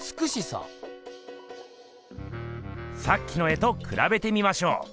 さっきの絵とくらべてみましょう。